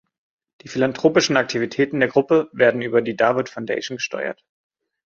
Die philanthropischen Aktivitäten der Gruppe werden über die Dawood Foundation gesteuert.